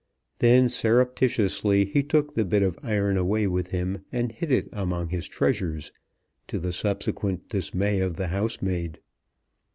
Then surreptitiously he took the bit of iron away with him, and hid it among his treasures, to the subsequent dismay of the housemaid.